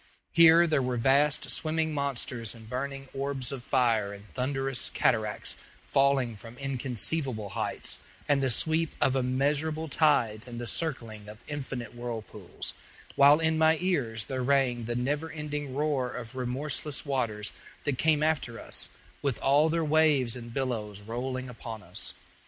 Here there were vast swimming monsters and burning orbs of fire and thunderous cataracts falling from inconceivable heights, and the sweep of immeasurable tides and the circling of infinite whirlpools; while in my ears there rang the never ending roar of remorseless waters that came after us, with all their waves and billows rolling upon us.